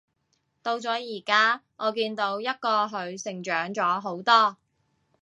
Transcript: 到咗而家，我見到一個佢成長咗好多